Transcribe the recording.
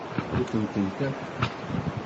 Fukken-tent akk.